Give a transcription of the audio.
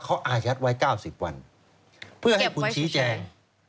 เขาอายัดไว้๙๐วันเพื่อให้คุณชี้แจง